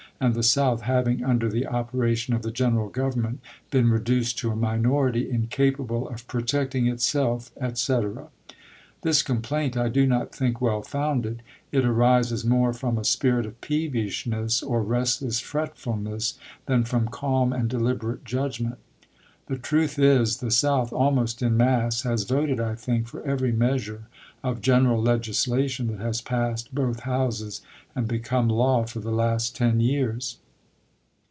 and the South having, under the opera tion of the general Government, been reduced to a minor ity incapable of protecting itself, etc. This complaint I do not think well founded. It arises more from a spirit of peevishness or restless fretfulness than from calm and deliberate judgment. The truth is, the South, almost in mass, has voted I think for every measure of general legislation that has passed both Houses and be come law for the last ten years.